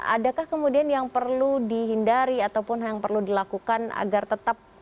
adakah kemudian yang perlu dihindari ataupun yang perlu dilakukan agar tetap